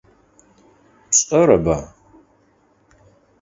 Пшӏэрэба?